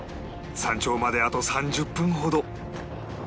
山頂まであと３０分ほど